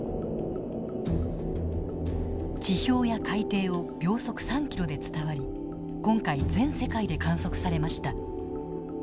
地表や海底を秒速３ｋｍで伝わり今回全世界で観測されました。